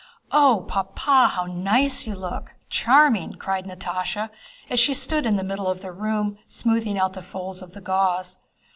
"Oh, Papa! how nice you look! Charming!" cried Natásha, as she stood in the middle of the room smoothing out the folds of the gauze.